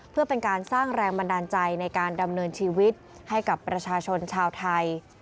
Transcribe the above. เพื่อเป็นการสร้างแรงบันดาลใจในการดำเนินชีวิตให้กับประชาชนชาวไทย